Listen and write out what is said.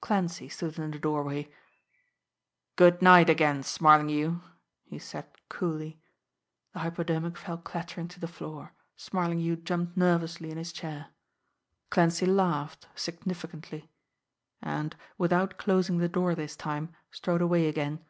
Clancy stood in the doorway. "Good night again, Smarlinghue," he said coolly. The hypodermic fell clattering to the floor; Smarlinghue jumped nervously in his chair. Clancy laughed significantly; and, without closing the door this time, strode away again.